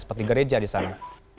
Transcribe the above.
seperti gereja di sana